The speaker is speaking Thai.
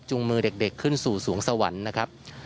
มือเด็กขึ้นสู่สวงสวรรค์นะครับ